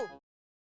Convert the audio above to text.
mak mak mak